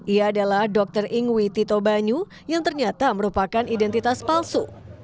ia adalah dr ingwi tito banyu yang ternyata merupakan identitas palsu